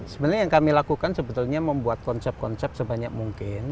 sebenarnya yang kami lakukan sebetulnya membuat konsep konsep sebanyak mungkin